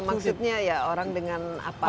maksudnya ya orang dengan apa